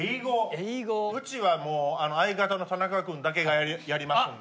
うちはもう相方の田中君だけがやりますんで。